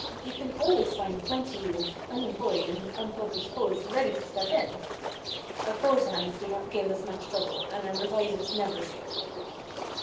You can always find plenty of unemployed and unpublished poets ready to step in. Our prose hands do not give us much trouble, and our revisers never say a word."